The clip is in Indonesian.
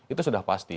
itu sudah pasti